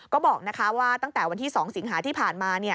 ก็บอกว่าตั้งแต่วันที่๒สิงหาที่ผ่านมา